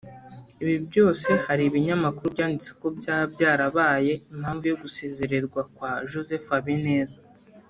Ibi byose hari ibinyamakuru byanditse ko byaba byarabaye impamvu yo gusezererwa kwa Joseph Habineza